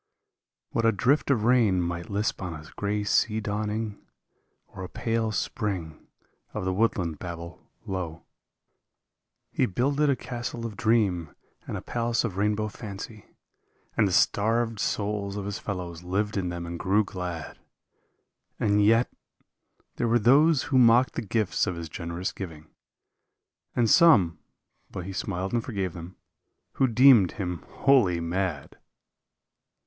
What a drift of rain might lisp on a gray sea dawn ing. Or a pale spring of the woodland babble low. 148 He builded a castle of dream and a palace of rainbow fancy, And the starved souls of his fellows lived in them and grew glad; — And yet — there were those who mocked the gifts of his generous giving, And some — but he smiled and forgave them — who deemed him wholly mad!